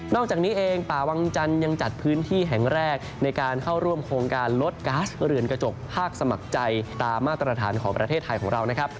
จากนี้เองป่าวังจันทร์ยังจัดพื้นที่แห่งแรกในการเข้าร่วมโครงการลดก๊าซเรือนกระจกภาคสมัครใจตามมาตรฐานของประเทศไทยของเรานะครับ